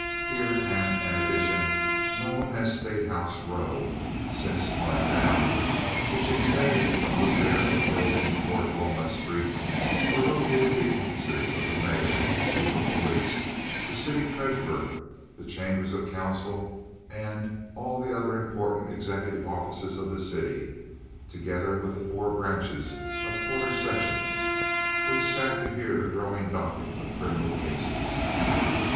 Here, and in an addition known as State House Row (since torn down), which extended from the rear of the building toward Walnut Street, were located the offices of the mayor, the chief of police, the city treasurer, the chambers of council, and all the other important and executive offices of the city, together with the four branches of Quarter Sessions, which sat to hear the growing docket of criminal cases.